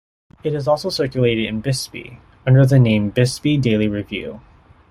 It is also circulated in Bisbee, under the name Bisbee Daily Review.